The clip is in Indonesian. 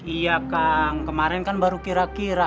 iya kang kemarin kan baru kira kira